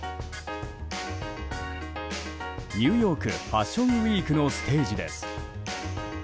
ニューヨーク・ファッションウィークのステージです。